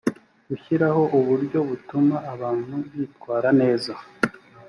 gushyiraho uburyo butuma abantu bitwara neza